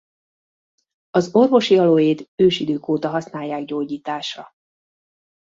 Az orvosi aloét ősidők óta használják gyógyításra.